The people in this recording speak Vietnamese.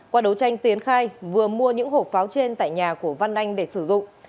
qua đấu tranh tiến khai vừa mua những hộp pháo trên tại nhà của văn anh để sử dụng